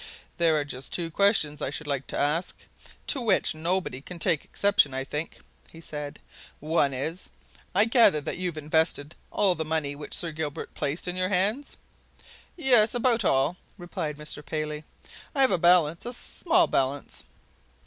"There are just two questions I should like to ask to which nobody can take exception, I think," he said. "One is I gather that you've invested all the money which Sir Gilbert placed in your hands?" "Yes about all," replied Mr. Paley. "I have a balance a small balance."